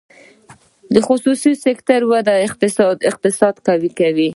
د خصوصي سکتور وده اقتصاد قوي کوي